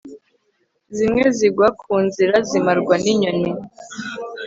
zimwe zigwa knzzira zimarwa ninyoni